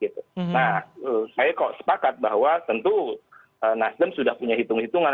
nah saya kok sepakat bahwa tentu nasdem sudah punya hitung hitungan